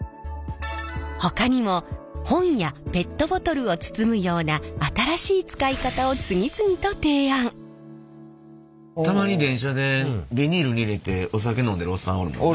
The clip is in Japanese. ほかにも本やペットボトルを包むようなたまに電車でビニールに入れてお酒飲んでるおっさんおるもんね。